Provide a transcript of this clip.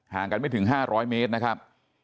กันไม่ถึง๕๐๐เมตรนะครับ